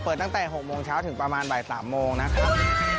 ตั้งแต่๖โมงเช้าถึงประมาณบ่าย๓โมงนะครับ